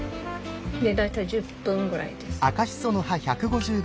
大体１０分ぐらいです。